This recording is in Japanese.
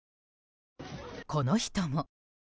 この人も。